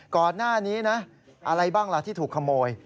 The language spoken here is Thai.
ก่อนหน้านี้นะอะไรบ้างล่ะที่ถูกขโมย